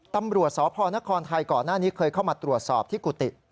ตำรวจสพนครไทยก่อนหน้านี้เคยเข้ามาตรวจสอบที่กุฏิ